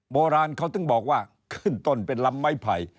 โบราณเขาถึงบอกว่าขึ้นต้นเป็นลำไม้ไผ่